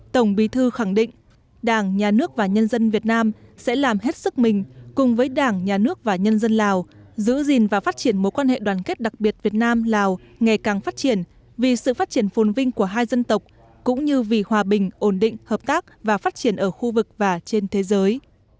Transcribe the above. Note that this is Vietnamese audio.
tổng bí thư khẳng định đảng nhà nước và nhân dân việt nam sẽ làm hết sức mình cùng với đảng nhà nước và nhân dân lào giữ gìn và phát triển mối quan hệ đoàn kết đặc biệt việt nam lào ngày càng phát triển vì sự phát triển phồn vinh của hai dân tộc cũng như vì hòa bình ổn định hợp tác và phát triển ở khu vực và trên thế giới